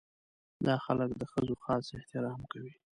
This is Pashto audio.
دا خلک د ښځو خاص احترام کوي.